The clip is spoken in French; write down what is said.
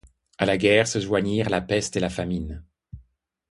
À la guerre se joignirent la peste et la famine.